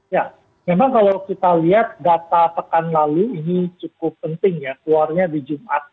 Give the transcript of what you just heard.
ya memang kalau kita lihat data pekan lalu ini cukup penting ya keluarnya di jumat